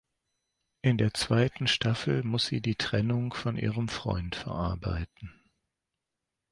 In der zweiten Staffel muss sie die Trennung von ihrem Freund verarbeiten.